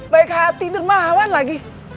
baik hati dan mawan lagi